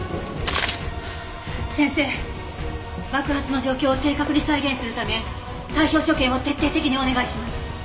先生爆発の状況を正確に再現するため体表所見を徹底的にお願いします。